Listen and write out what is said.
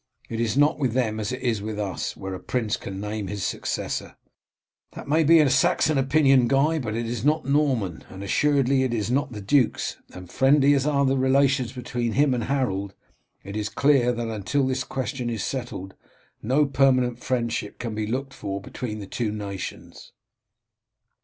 It is not with them as it is with us, where a prince can name his successor." "That may be Saxon opinion, Guy, but it is not Norman, and assuredly it is not the duke's; and friendly as are the relations between him and Harold, it is clear that until this question is settled no permanent friendship can be looked for between the two nations."